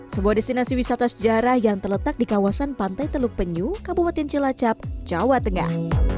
sebuah destinasi wisata sejarah yang terletak di kawasan pantai teluk penyu kabupaten cilacap jawa tengah